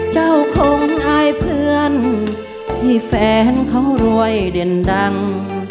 คงอายเพื่อนที่แฟนเขารวยเด่นดัง